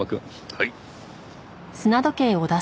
はい。